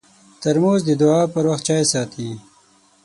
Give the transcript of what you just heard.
ترموز د دعا پر وخت چای ساتي.